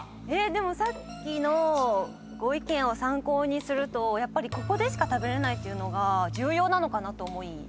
でもさっきのご意見を参考にするとやっぱりここでしか食べれないというのが重要なのかなと思い。